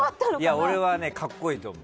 俺は格好いいと思う。